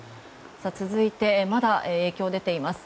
続いて、まだ影響が出ています。